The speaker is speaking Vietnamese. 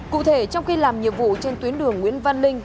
cụ thể trong khi làm nhiệm vụ trên tuyến đường nguyễn văn linh